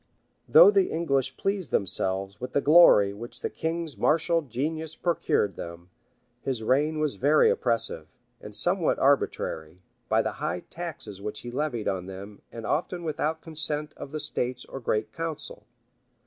Though the English pleased themselves with the glory which the king's martial genius procured them, his reign was very oppressive, and somewhat arbitrary, by the high taxes which he levied on them, and often without consent of the states or great council.